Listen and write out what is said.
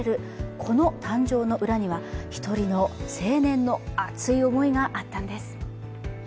この誕生の裏には一人の青年の熱い思いがあったんです。